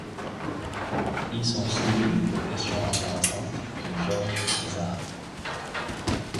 Ils sont soumis aux questions embarrassantes de Georges Izard.